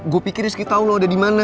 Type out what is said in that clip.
gue pikir rizky tau lo ada dimana